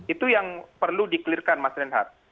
itu yang perlu dikelirkan mas renat